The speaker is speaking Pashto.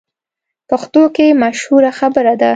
پښتو کې مشهوره خبره ده: